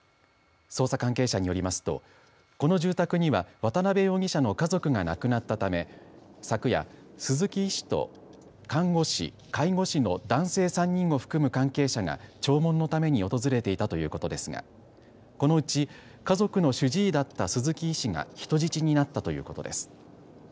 捜査関係者によりますとこの住宅には渡邊容疑者の家族が亡くなったため昨夜、鈴木医師と看護師介護士の男性３人を含む関係者が弔問のために訪れていたということですがこのうち家族の主治医だった鈴木医師が人質になったということです。